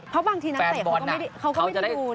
เพราะบางทีน้ำเตะเขาก็ไม่ได้ดูนะ